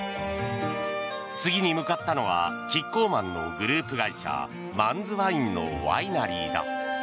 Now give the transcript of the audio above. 次に向かったのはキッコーマンのグループ会社マンズワインのワイナリーだ。